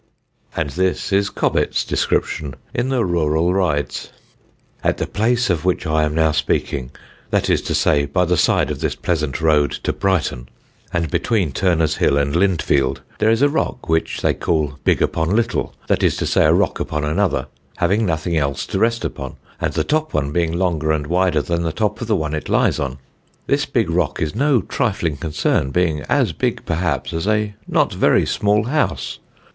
[Sidenote: COBBETT AGAIN] And this is Cobbett's description, in the Rural Rides: "At the place, of which I am now speaking, that is to say, by the side of this pleasant road to Brighton, and between Turner's Hill and Lindfield, there is a rock, which they call 'Big upon Little,' that is to say, a rock upon another, having nothing else to rest upon, and the top one being longer and wider than the top of the one it lies on. This big rock is no trifling concern, being as big, perhaps, as a not very small house.